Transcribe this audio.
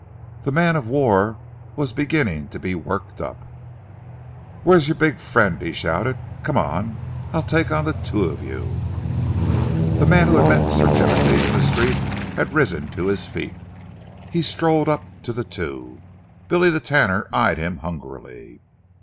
The man of war was beginning to be worked up. "Where's your big friend?" he shouted. "Come on! I'll take on the two of you." The man who had met Sir Timothy in the street had risen to his feet. He strolled up to the two. Billy the Tanner eyed him hungrily.